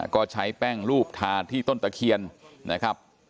ก็ใช้แป้งรูปทาที่ต้นตะเคียนนะครับ